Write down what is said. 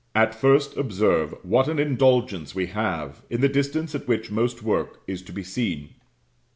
And first, observe what an indulgence we have in the distance at which most work is to be seen.